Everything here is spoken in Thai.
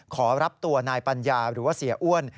ขอรับตัวนายปัญญาหรือว่าเสียอ้วน